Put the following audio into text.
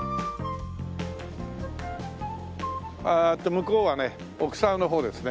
向こうはね奥沢の方ですね。